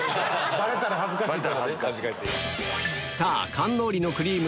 バレたら恥ずかしいんですね。